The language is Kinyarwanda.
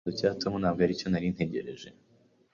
Igisubizo cya Tom ntabwo aricyo nari ntegereje.